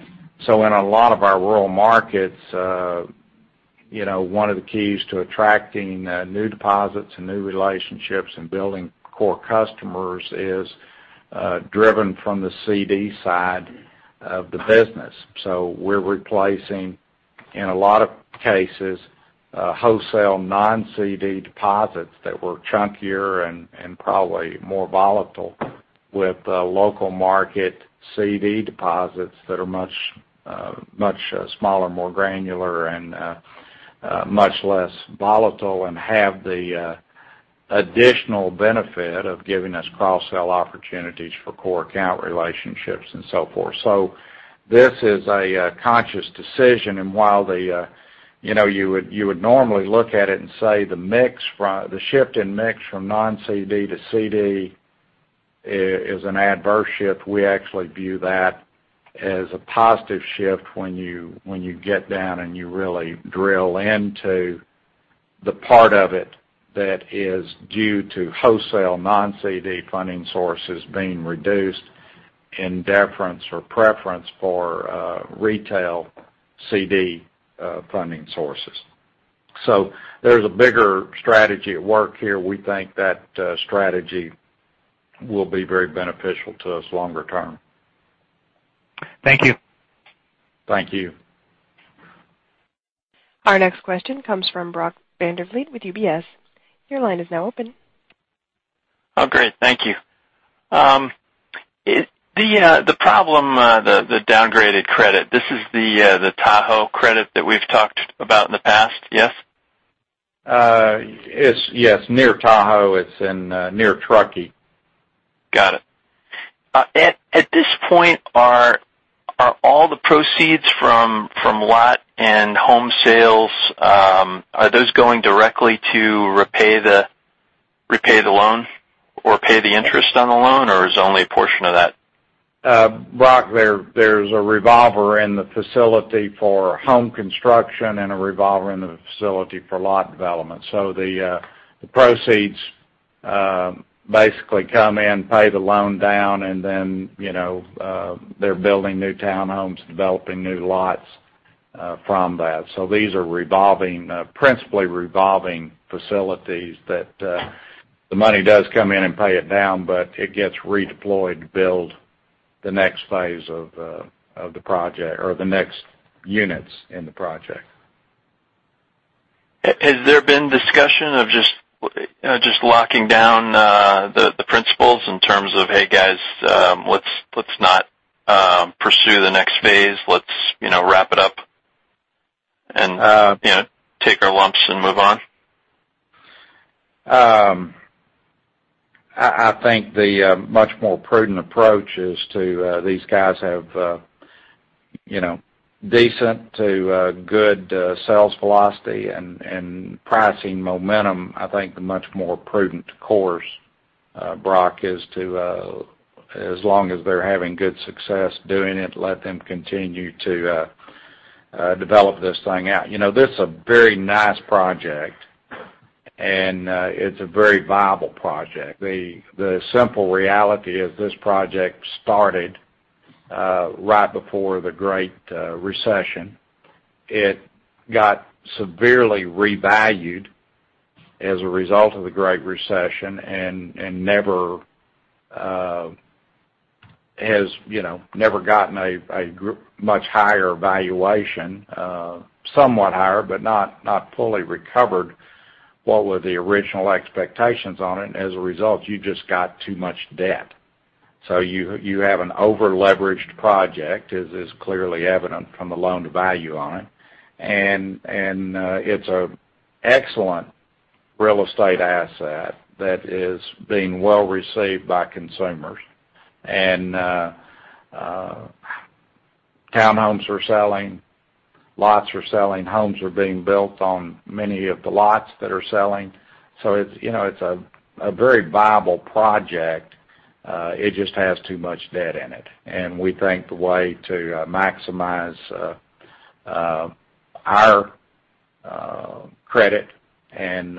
In a lot of our rural markets, one of the keys to attracting new deposits and new relationships and building core customers is driven from the CD side of the business. We're replacing, in a lot of cases, wholesale non-CD deposits that were chunkier and probably more volatile with local market CD deposits that are much smaller, more granular, and much less volatile and have the additional benefit of giving us cross-sell opportunities for core account relationships and so forth. This is a conscious decision. While you would normally look at it and say the shift in mix from non-CD to CD is an adverse shift, we actually view that as a positive shift when you get down and you really drill into the part of it that is due to wholesale non-CD funding sources being reduced in deference or preference for retail CD funding sources. There's a bigger strategy at work here. We think that strategy will be very beneficial to us longer term. Thank you. Thank you. Our next question comes from Brock Vandervliet with UBS. Your line is now open. Oh, great. Thank you. The problem, the downgraded credit, this is the Tahoe credit that we've talked about in the past, yes? Yes, near Tahoe. It's near Truckee. Got it. At this point, are all the proceeds from lot and home sales, are those going directly to repay the loan or pay the interest on the loan? Is it only a portion of that? Brock, there's a revolver in the facility for home construction and a revolver in the facility for lot development. The proceeds basically come in, pay the loan down, and then they're building new townhomes, developing new lots from that. These are principally revolving facilities that the money does come in and pay it down, but it gets redeployed to build the next phase of the project or the next units in the project. Has there been discussion of just locking down the principles in terms of, "Hey guys, let's not pursue the next phase. Let's wrap it up and take our lumps and move on"? I think the much more prudent approach is these guys have decent to good sales velocity and pricing momentum. I think the much more prudent course, Brock, is as long as they're having good success doing it, let them continue to develop this thing out. This is a very nice project, and it's a very viable project. The simple reality is this project started right before the Great Recession. It got severely revalued as a result of the Great Recession and never has gotten a much higher valuation. Somewhat higher, but not fully recovered what were the original expectations on it. As a result, you just got too much debt. You have an over-leveraged project, as is clearly evident from the loan-to-value on it. It's an excellent real estate asset that is being well received by consumers. Townhomes are selling, lots are selling, homes are being built on many of the lots that are selling. It's a very viable project. It just has too much debt in it. We think the way to maximize our credit and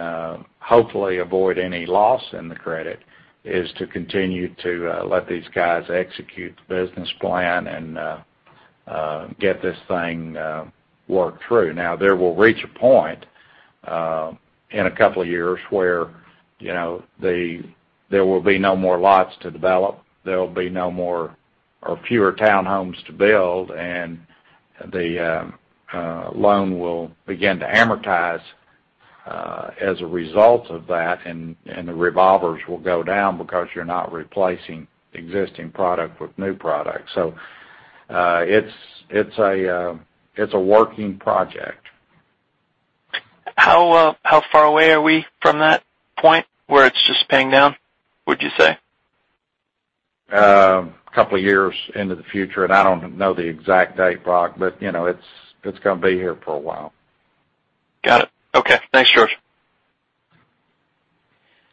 hopefully avoid any loss in the credit is to continue to let these guys execute the business plan and get this thing worked through. Now, there will reach a point in a couple of years where there will be no more lots to develop. There will be no more or fewer townhomes to build, and the loan will begin to amortize as a result of that. The revolvers will go down because you're not replacing existing product with new product. It's a working project. How far away are we from that point where it's just paying down, would you say? A couple of years into the future, and I don't know the exact date, Brock, but it's going to be here for a while. Got it. Okay. Thanks, George.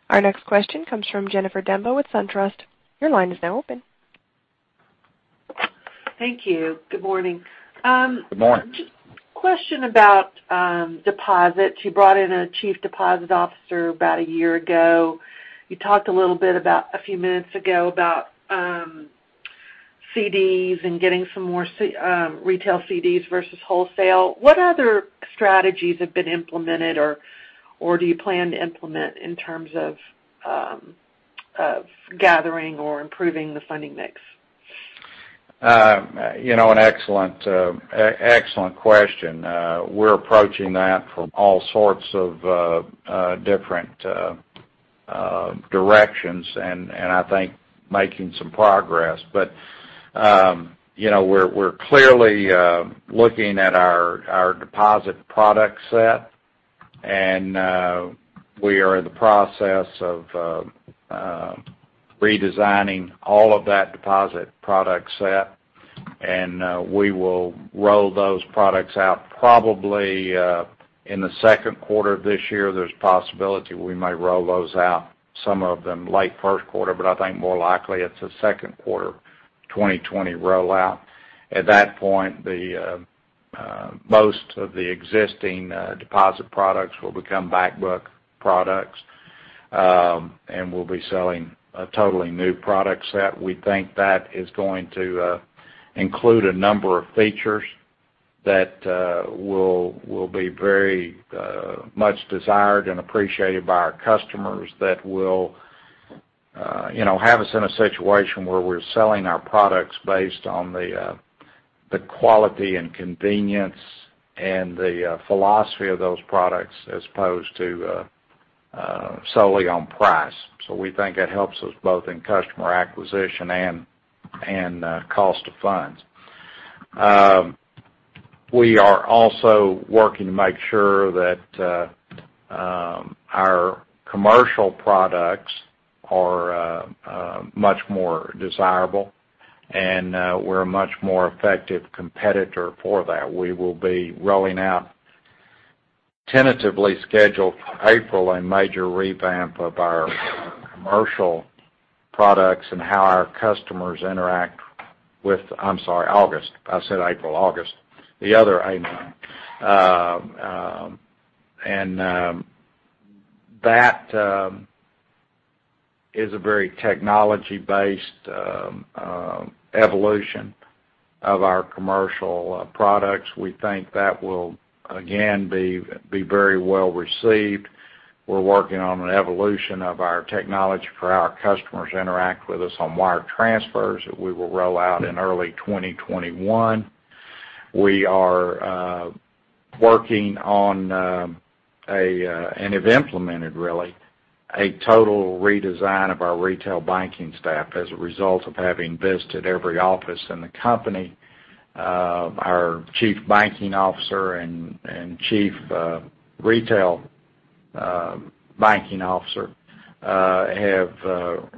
Our next question comes from Jennifer Demba with SunTrust. Your line is now open. Thank you. Good morning. Good morning. Just question about deposits. You brought in a Chief Deposit Officer about a year ago. You talked a little bit about, a few minutes ago, about CDs and getting some more retail CDs versus wholesale. What other strategies have been implemented, or do you plan to implement in terms of gathering or improving the funding mix? An excellent question. We're approaching that from all sorts of different directions and I think making some progress. We're clearly looking at our deposit product set, and we are in the process of redesigning all of that deposit product set. We will roll those products out probably in the second quarter of this year. There's a possibility we may roll those out, some of them, late first quarter, but I think more likely it's a second quarter 2020 rollout. At that point, most of the existing deposit products will become back book products, and we'll be selling a totally new product set. We think that is going to include a number of features that will be very much desired and appreciated by our customers that will have us in a situation where we're selling our products based on the quality and convenience and the philosophy of those products as opposed to solely on price. We think it helps us both in customer acquisition and cost of funds. We are also working to make sure that our commercial products are much more desirable and we're a much more effective competitor for that. We will be rolling out, tentatively scheduled for April, a major revamp of our commercial products and how our customers interact with I'm sorry, August. I said April. August. The other A month. That is a very technology-based evolution of our commercial products. We think that will, again, be very well received. We're working on an evolution of our technology for our customers to interact with us on wire transfers that we will roll out in early 2021. We are working on, and have implemented really, a total redesign of our retail banking staff as a result of having visited every office in the company. Our Chief Banking Officer and Chief Retail Banking Officer have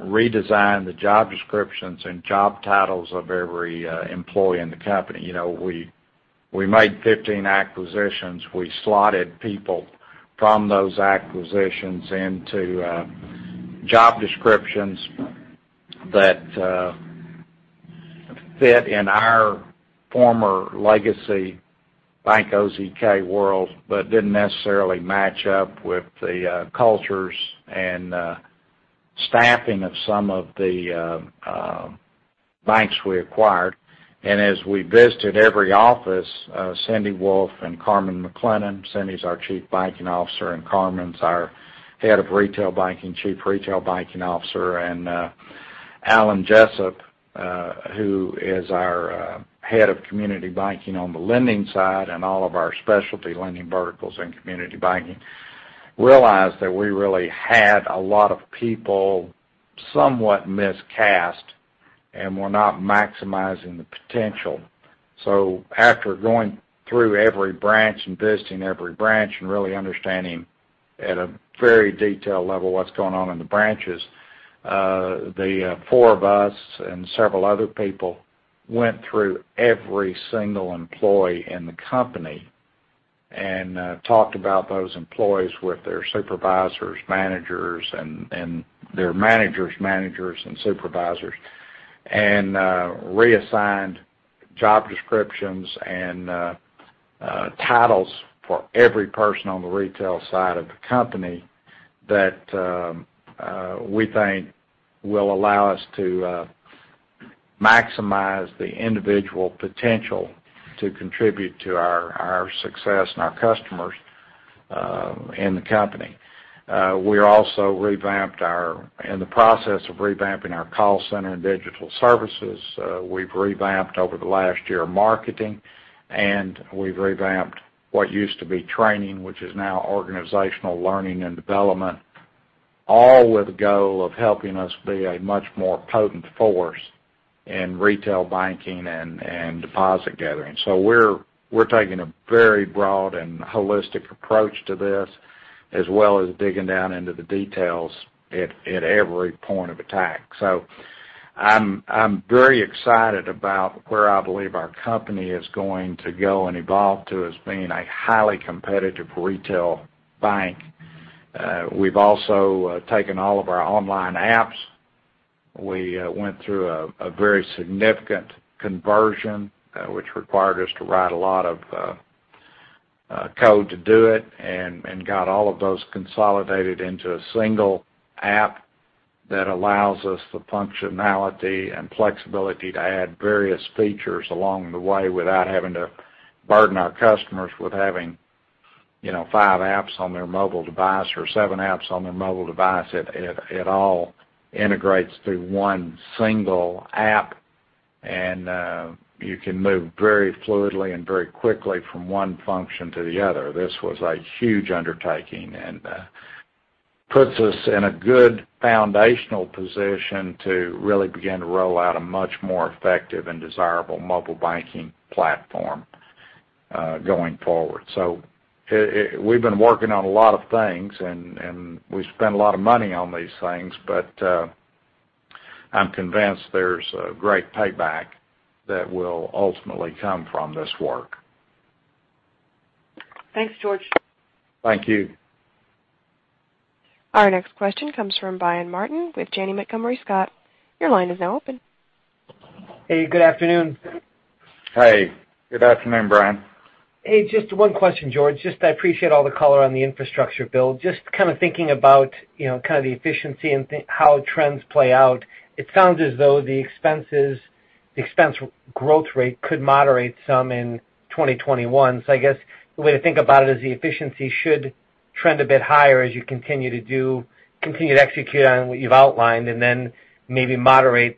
redesigned the job descriptions and job titles of every employee in the company. We made 15 acquisitions. We slotted people from those acquisitions into job descriptions that fit in our former legacy Bank OZK world but didn't necessarily match up with the cultures and staffing of some of the banks we acquired. As we visited every office, Cindy Wolfe and Carmen McClennon, Cindy's our Chief Banking Officer, and Carmen's our head of retail banking, Chief Retail Banking Officer, and Alan Jessup, who is our head of community banking on the lending side and all of our specialty lending verticals and community banking, realized that we really had a lot of people somewhat miscast. We're not maximizing the potential. After going through every branch and visiting every branch and really understanding at a very detailed level what's going on in the branches, the four of us and several other people went through every single employee in the company and talked about those employees with their supervisors, managers, and their managers' managers and supervisors, and reassigned job descriptions and titles for every person on the retail side of the company that we think will allow us to maximize the individual potential to contribute to our success and our customers in the company. We also in the process of revamping our call center and digital services. We've revamped, over the last year, marketing, and we've revamped what used to be training, which is now organizational learning and development, all with the goal of helping us be a much more potent force in retail banking and deposit gathering. We're taking a very broad and holistic approach to this, as well as digging down into the details at every point of attack. I'm very excited about where I believe our company is going to go and evolve to as being a highly competitive retail bank. We've also taken all of our online apps. We went through a very significant conversion, which required us to write a lot of code to do it, and got all of those consolidated into a single app that allows us the functionality and flexibility to add various features along the way without having to burden our customers with having 5 apps on their mobile device or 7 apps on their mobile device. It all integrates through one single app, and you can move very fluidly and very quickly from one function to the other. This was a huge undertaking and puts us in a good foundational position to really begin to roll out a much more effective and desirable mobile banking platform going forward. We've been working on a lot of things, and we spent a lot of money on these things, but I'm convinced there's a great payback that will ultimately come from this work. Thanks, George. Thank you. Our next question comes from Brian Martin with Janney Montgomery Scott. Your line is now open. Hey, good afternoon. Hi, good afternoon, Brian. Hey, just one question, George. Just I appreciate all the color on the infrastructure build. Just kind of thinking about the efficiency and how trends play out, it sounds as though the expense growth rate could moderate some in 2021. I guess the way to think about it is the efficiency should trend a bit higher as you continue to execute on what you've outlined and then maybe moderate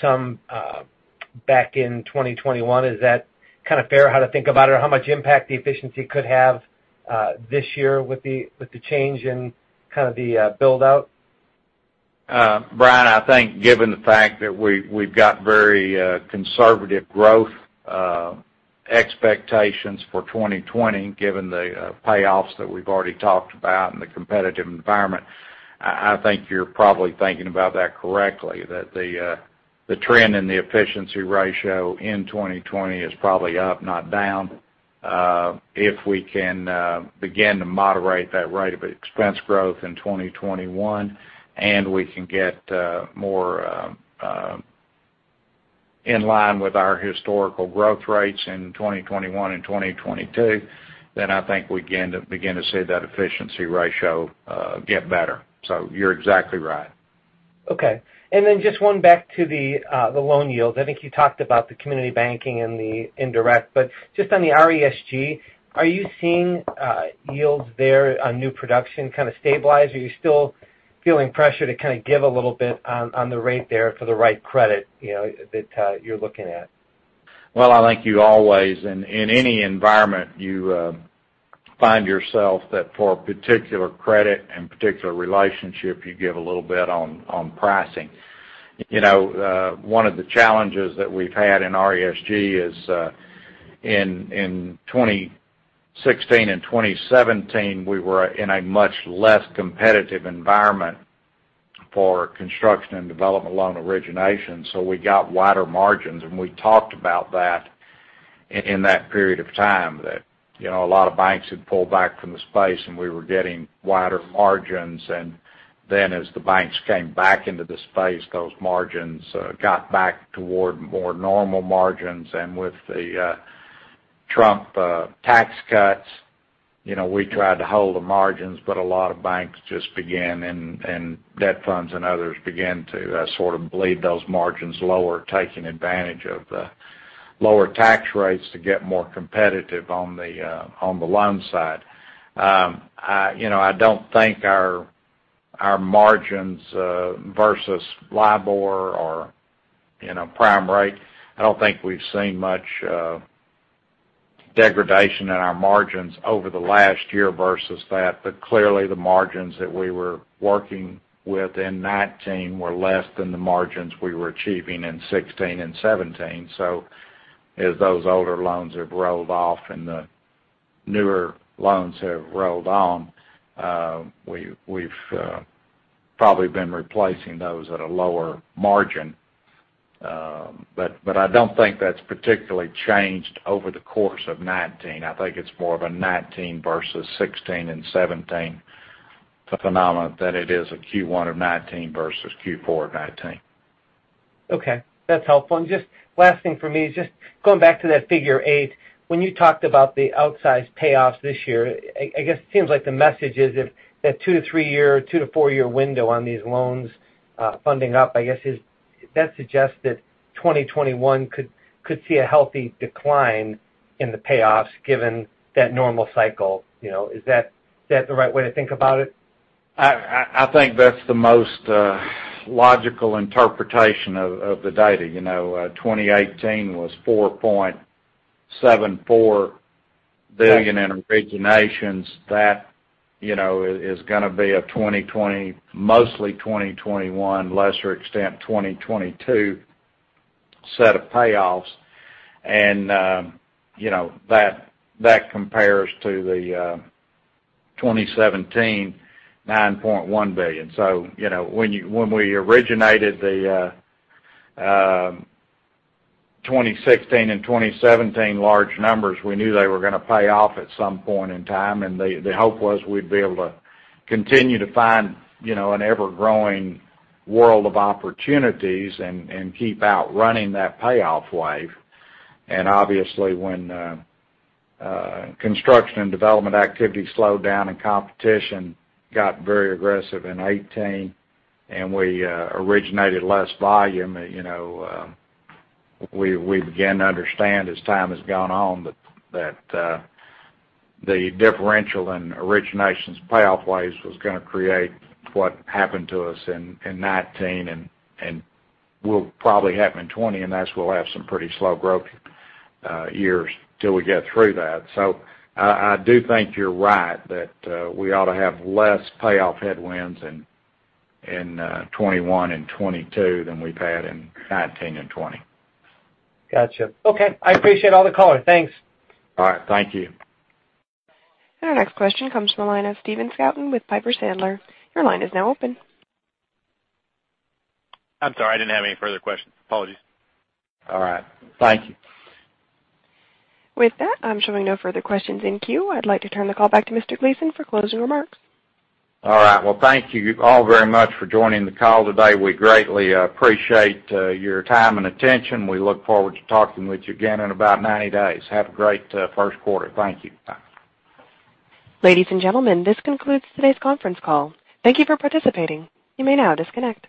some back in 2021. Is that kind of fair how to think about it? Or how much impact the efficiency could have this year with the change in the build-out? Brian, I think given the fact that we've got very conservative growth expectations for 2020, given the payoffs that we've already talked about and the competitive environment, I think you're probably thinking about that correctly, that the trend in the efficiency ratio in 2020 is probably up, not down. If we can begin to moderate that rate of expense growth in 2021, we can get more in line with our historical growth rates in 2021 and 2022, then I think we can begin to see that efficiency ratio get better. You're exactly right. Okay. Just one back to the loan yields. I think you talked about the community banking and the indirect, but just on the RESG, are you seeing yields there on new production kind of stabilize, or are you still feeling pressure to kind of give a little bit on the rate there for the right credit that you're looking at? Well, I think you always, in any environment, you find yourself that for a particular credit and particular relationship, you give a little bit on pricing. One of the challenges that we've had in RESG is in 2016 and 2017, we were in a much less competitive environment for construction and development loan origination. We got wider margins. We talked about that in that period of time, that a lot of banks had pulled back from the space and we were getting wider margins. As the banks came back into the space, those margins got back toward more normal margins. With the Trump tax cuts, we tried to hold the margins, but a lot of banks just began, and debt funds and others began to sort of bleed those margins lower, taking advantage of the lower tax rates to get more competitive on the loan side. I don't think our margins versus LIBOR or prime rate, I don't think we've seen much degradation in our margins over the last year versus that. Clearly, the margins that we were working with in 2019 were less than the margins we were achieving in 2016 and 2017. As those older loans have rolled off and the newer loans have rolled on, we've probably been replacing those at a lower margin. I don't think that's particularly changed over the course of 2019. I think it's more of a 2019 versus 2016 and 2017 phenomenon than it is a Q1 of 2019 versus Q4 of 2019. Okay, that's helpful. Just last thing for me is just going back to that figure eight, when you talked about the outsized payoffs this year, I guess it seems like the message is if that two- to three-year, two- to four-year window on these loans funding up, I guess, is that suggests that 2021 could see a healthy decline in the payoffs given that normal cycle. Is that the right way to think about it? I think that's the most logical interpretation of the data. 2018 was $4.74 billion in originations. That is going to be a 2020, mostly 2021, lesser extent 2022 set of payoffs. That compares to the 2017 $9.1 billion. When we originated the 2016 and 2017 large numbers, we knew they were going to pay off at some point in time. The hope was we'd be able to continue to find an ever-growing world of opportunities and keep outrunning that payoff wave. Obviously, when construction and development activity slowed down and competition got very aggressive in 2018 and we originated less volume, we began to understand as time has gone on that the differential in originations payoff waves was going to create what happened to us in 2019 and will probably happen in 2020, and that's we'll have some pretty slow growth years till we get through that. I do think you're right, that we ought to have less payoff headwinds in 2021 and 2022 than we've had in 2019 and 2020. Got you. Okay. I appreciate all the color. Thanks. All right. Thank you. Our next question comes from the line of Stephen Scouten with Piper Sandler. Your line is now open. I'm sorry, I didn't have any further questions. Apologies. All right. Thank you. With that, I'm showing no further questions in queue. I'd like to turn the call back to Mr. Gleason for closing remarks. All right. Well, thank you all very much for joining the call today. We greatly appreciate your time and attention. We look forward to talking with you again in about 90 days. Have a great first quarter. Thank you. Ladies and gentlemen, this concludes today's conference call. Thank you for participating. You may now disconnect.